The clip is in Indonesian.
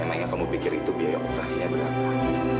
emangnya kamu pikir itu biaya operasinya berapa